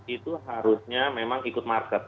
itu harusnya memang ikut market